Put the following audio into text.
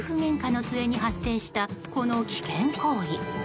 末に発生した、この危険行為。